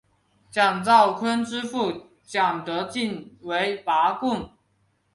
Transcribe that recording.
蒋兆鲲之父蒋德璟为拔贡。